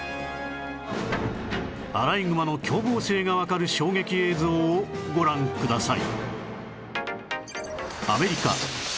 アライグマの凶暴性がわかる衝撃映像をご覧ください